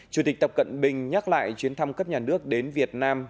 chủ tịch tập cận bình nhắc lại chuyến thăm cấp nhà nước đến việt nam